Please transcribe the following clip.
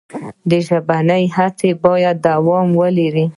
ژبنۍ هڅې باید دوام ولري.